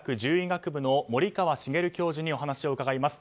学部の森川茂教授にお話を伺います。